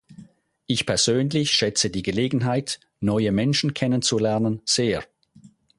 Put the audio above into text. Ich persönlich schätze die Gelegenheit, neue Menschen kennenzulernen, sehr.